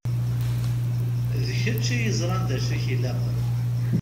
D kečč i yeẓṛan d acu i k-ilaqen.